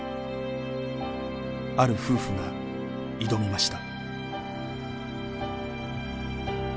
ある夫婦が挑みました。